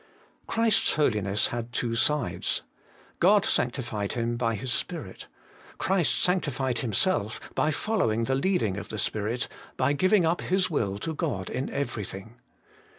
2. Christ's Holiness had two sides. God sanctified Him by His Spirit: Christ sanctified Himself by following the leading of the Spirit, by giving up His will to God in everything.